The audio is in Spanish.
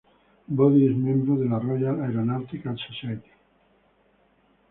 Body es miembro de la Royal Aeronautical Society.